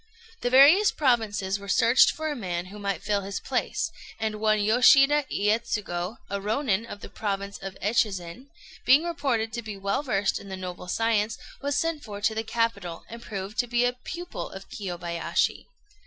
The various provinces were searched for a man who might fill his place, and one Yoshida Iyétsugu, a Rônin of the province of Echizen, being reported to be well versed in the noble science, was sent for to the capital, and proved to be a pupil of Kiyobayashi.